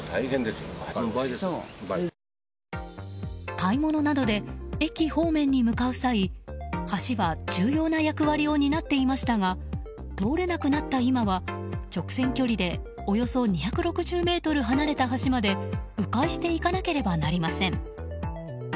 買い物などで駅方面に向かう際橋は重要な役割を担っていましたが通れなくなった今は直線距離でおよそ２６０ｍ離れた橋まで迂回して行かなければなりません。